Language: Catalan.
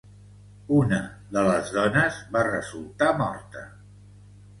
Una de les dones va resultar morta.